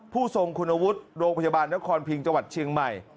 ผู้ทรงคุณวุฒิโรงพยาบาลนครพิงจังหวัดเชียงใหม่